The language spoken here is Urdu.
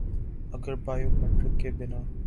اگر بایو میٹرک کے بنا